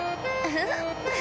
フフッ。